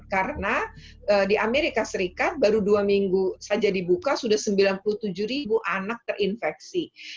karena di amerika serikat baru dua minggu saja dibuka sudah sembilan puluh tujuh ribu anak terinfeksi